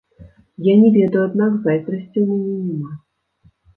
Я не ведаю, аднак зайздрасці ў мяне няма.